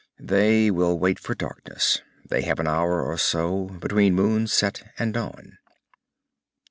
"They will wait for darkness. They will have an hour or so, between moonset and dawn."